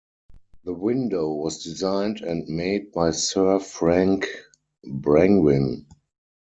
The window was designed and made by Sir Frank Brangwyn.